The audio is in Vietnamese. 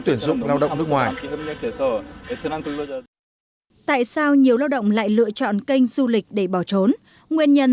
tuyển dụng lao động nước ngoài tại sao nhiều lao động lại lựa chọn kênh du lịch để bỏ trốn nguyên nhân